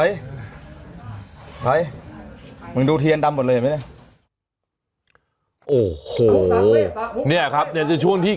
ไอ้ไอ้มึงดูเทียนดำหมดเลยไหมโอ้โหเนี้ยครับเนี้ยจะช่วงที่